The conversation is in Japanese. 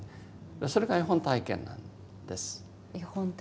それが絵本体験なんです。